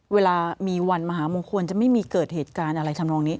เวลามีวันมหามงคลจะไม่มีเกิดเหตุการณ์อะไรทำนองนี้